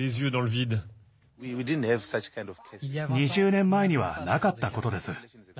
２０年前にはなかったことです。